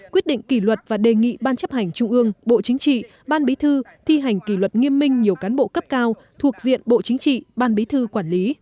quyết định kỷ luật và đề nghị ban chấp hành trung ương bộ chính trị ban bí thư thi hành kỷ luật nghiêm minh nhiều cán bộ cấp cao thuộc diện bộ chính trị ban bí thư quản lý